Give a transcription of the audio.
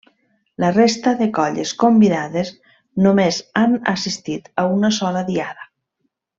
La resta de colles convidades només han assistit a una sola diada.